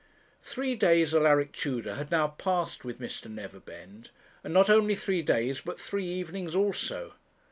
Three days Alaric Tudor had now passed with Mr. Neverbend, and not only three days but three evenings also!